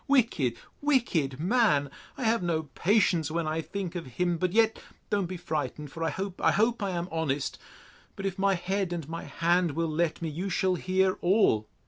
Wicked, wicked man!—I have no patience when I think of him!—But yet, don't be frightened—for—I hope—I hope, I am honest!—But if my head and my hand will let me, you shall hear all.